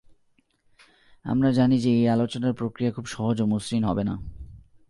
আমরা জানি যে এই আলোচনার প্রক্রিয়া খুব সহজ ও মসৃণ হবে না।